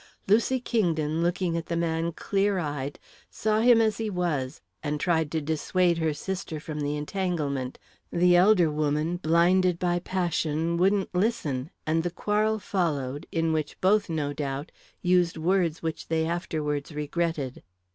Lucy Kingdon, looking at the man clear eyed, saw him as he was and tried to dissuade her sister from the entanglement; the elder woman, blinded by passion, wouldn't listen, and the quarrel followed, in which both, no doubt, used words which they afterwards regretted."